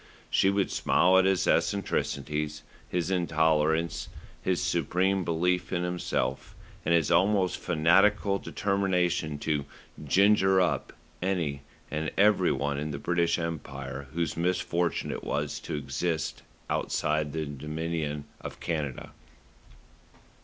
She would smile at his eccentricities, his intolerance, his supreme belief in himself, and his almost fanatical determination to "ginger up" any and every one in the British Empire whose misfortune it was to exist outside the Dominion of Canada.